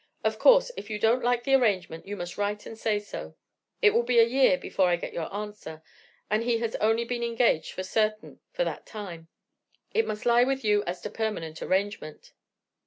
Of course, if you don't like the arrangement you must write and say so. It will be a year before I get your answer, and he has only been engaged for certain for that time; it must lie with you as to permanent arrangement."